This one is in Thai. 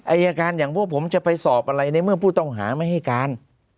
อายการอย่างพวกผมจะไปสอบอะไรในเมื่อผู้ต้องหาไม่ให้การ